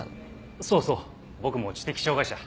そうそう僕も知的障がい者。